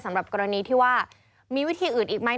สำหรับกรณีที่ว่ามีวิธีอื่นอีกไหม